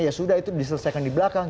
ya sudah itu diselesaikan di belakang